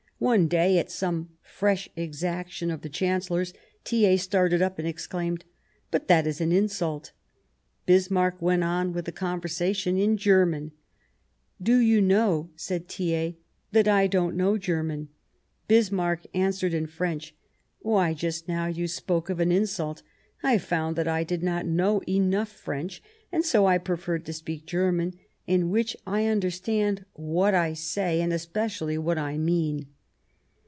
One day, at some fresh exaction of the Chancellor's, Thiers started up and exclaimed, " But that is an insult !" Bismarck went on with the conversation in Ger man. " But you know," said Thiers, " that I don't know German." Bismarck answered in French :" Why, just now, you spoke of an insult. I found that I did not know enough French, and so I preferred to speak German, in which I understand what I say, and especially what I mean."